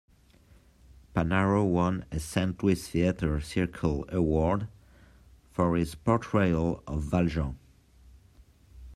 Panaro won a Saint Louis Theater Circle Award for his portrayal of Valjean.